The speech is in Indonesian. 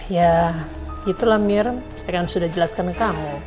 ya itulah mir saya kan sudah jelaskan ke kamu